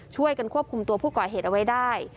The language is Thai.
ช่วยกันควบคุมตัวผู้ก่อเหตุเอาไว้ได้